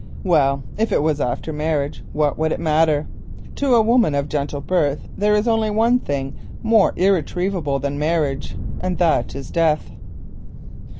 Well, if it was after marriage, what would it matter? To a woman of gentle birth there is only one thing more irretrievable than marriage, and that is death.